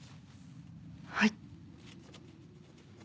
はい。